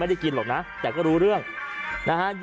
กินหรอกนะแต่ก็รู้เรื่องนะฮะ